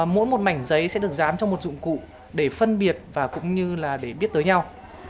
mỗi một mảnh giấy sẽ được dán trong một dụng cụ để phân biệt và cũng như là để biết tới nhau